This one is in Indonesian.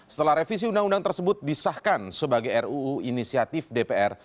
setelah revisi undang undang tersebut disahkan sebagai ruu inisiatif dpr